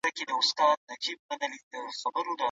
پانګوال نظام بايد مهار سي.